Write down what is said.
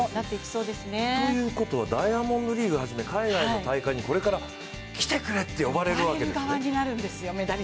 そうなんです、ということはダイヤモンドリーグはじめ海外の大会にこれから来てくれって呼ばれるわけですね。